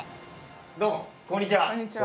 どうもこんにちは。